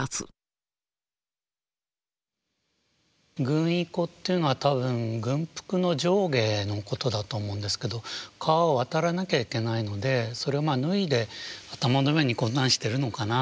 「軍衣袴」っていうのは多分軍服の上下のことだと思うんですけど川を渡らなきゃいけないのでそれを脱いで頭の上にこんなんしてるのかな。